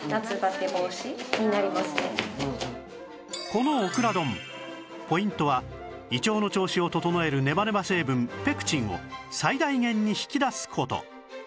このオクラ丼ポイントは胃腸の調子を整えるネバネバ成分ペクチンを最大限に引き出す事